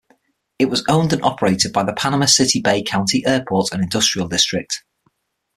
It was owned and operated by the Panama City-Bay County Airport and Industrial District.